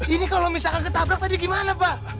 ini kalau misalkan ketabrak tadi gimana pak